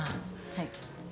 はい。